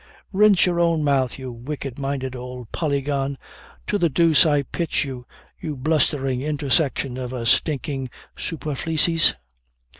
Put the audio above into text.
"Rinse your own mouth, you wicked minded old polygon to the deuce I pitch you, you blustering intersection of a stinking superficies!"